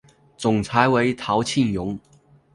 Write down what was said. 总裁为陶庆荣。